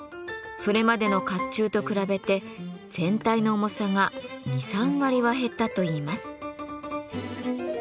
それまでの甲冑と比べて全体の重さが２３割は減ったといいます。